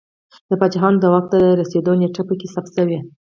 د پاچاهانو د واک ته رسېدو نېټې په کې ثبت شوې